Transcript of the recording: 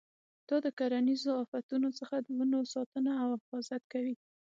دا د کرنیزو آفتونو څخه د ونو ساتنه او محافظت کوي په پښتو کې.